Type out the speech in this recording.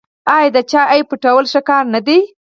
آیا د چا عیب پټول ښه کار نه دی؟